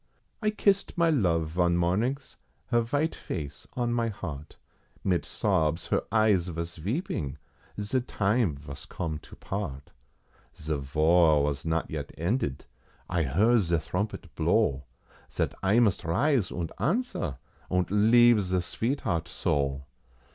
I kissed my love von mornings, her vite face on my heart, Mit sobs her eyes vos veeping, ze time vos come to part. Ze Var vas not yet ended, I heard ze thrompet blow, Zat I must rise, und answer, und leave ze sveetheart so!